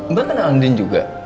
mbak kenal andin juga